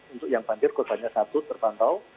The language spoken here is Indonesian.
untuk yang banjir korbannya satu terpantau